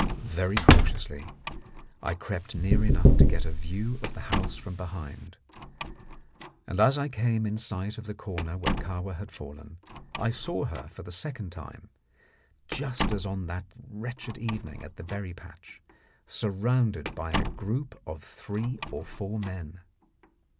Very cautiously I crept near enough to get a view of the house from behind, and as I came in sight of the corner where Kahwa had fallen I saw her for the second time just as on that wretched evening at the berry patch surrounded by a group of three or four men.